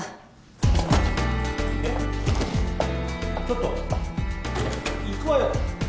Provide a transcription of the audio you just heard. ちょっと「行くわよ」。